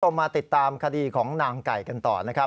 มาติดตามคดีของนางไก่กันต่อนะครับ